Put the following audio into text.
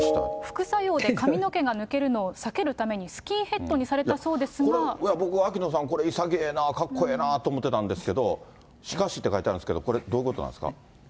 副作用で髪の毛が抜けるのを避けるためにスキンヘッドにされこれ、秋野さん、いさぎええな、かっこええなって思ってたんですけど、しかしって書いてあるんですけど、これどういうことなんですか。